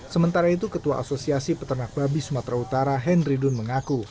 sementara itu ketua asosiasi peternak babi sumatera utara henry dun mengaku